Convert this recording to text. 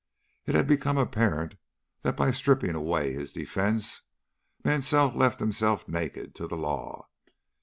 It had become apparent that by stripping away his defence, Mansell left himself naked to the law.